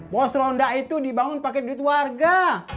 bos ronda itu dibangun pakai duit warga